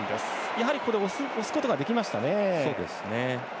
やはり、押すことができましたね。